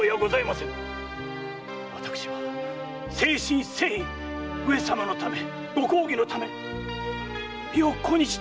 私は誠心誠意上様のため御公儀のため身を粉にして。